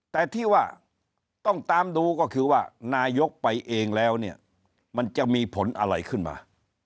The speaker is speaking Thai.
แต่ที่ว่าต้องตามดูก็คือว่านายกไปเองแล้วเนี่ยมันจะมีผลอะไรขึ้นมา